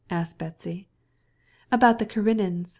asked Betsy. "About the Karenins.